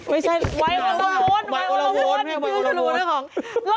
ไม่ใช่วัยโอรมูลวัยโอรมูลวัยโอรมูลวัยโอรมูลวัยโอรมูล